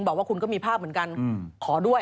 เพราะว่าตอนนี้ก็ไม่มีใครไปข่มครูฆ่า